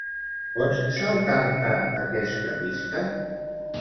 Pots saltar-te aquesta pista?